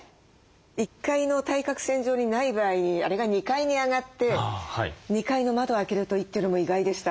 １階の対角線上にない場合にあれが２階に上がって２階の窓を開けるといいというのも意外でした。